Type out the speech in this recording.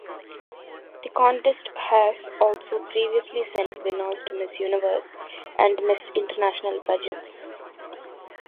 The contest has also previously sent winners to Miss Universe and Miss International pageants.